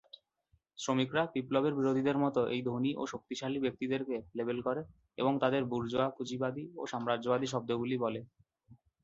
শ্রমিকরা বিপ্লবের বিরোধীদের মত এই ধনী ও শক্তিশালী ব্যক্তিদেরকে লেবেল করে এবং তাদের "বুর্জোয়া, পুঁজিবাদী ও সাম্রাজ্যবাদী" শব্দগুলি বলে।